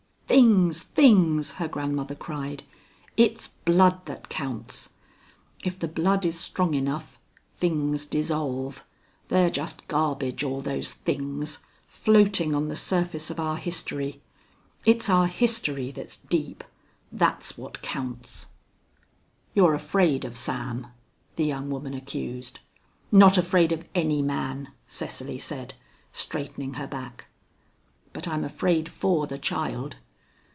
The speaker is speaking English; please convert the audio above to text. "Things, things!" her grandmother cried. "It's blood that counts. If the blood is strong enough, things dissolve. They're just garbage, all those things, floating on the surface of our history. It's our history that's deep. That's what counts." "You're afraid of Sam," the young woman accused. "Not afraid of any man!" Cecily said, straightening her back. "But I'm afraid for the child.